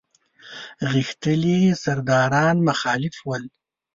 غښتلي سرداران مخالف ول.